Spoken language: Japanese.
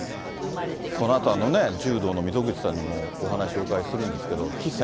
このあとは柔道の溝口さんにも、お話、お伺いするんですけれども、岸さん